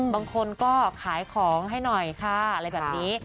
บางคนก็ขายของให้หน่อยค่ะอะไรแบบนี้